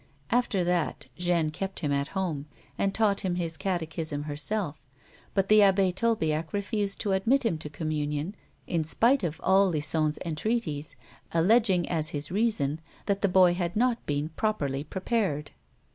After that Jeanne kept him at home, and taught him his catechism herself ; but the Abbe Tolbiac re fused to admit him to communion, in spite of all Lison's entreaties, alleging, as his reason, that the boy had not been properly prepared.